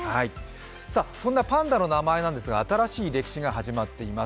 そんなパンダの名前なんですが、新しい歴史が始まっています。